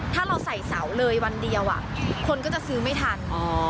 ถ้าเราใส่เสาเลยวันเดียวคนก็จะซื้อไม่ทัน